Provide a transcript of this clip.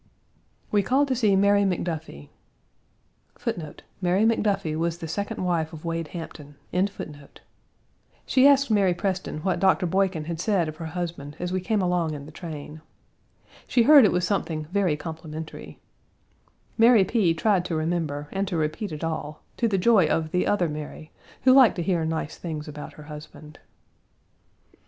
We called to see Mary McDuffie.3 She asked Mary Preston what Doctor Boykin had said of her husband as we came along in the train. She heard it was something very complimentary. Mary P. tried to remember, and to repeat it all, to the joy of the other Mary, who liked to hear nice things about her husband.